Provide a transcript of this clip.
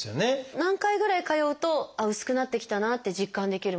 何回ぐらい通うとあっ薄くなってきたなって実感できるものですか？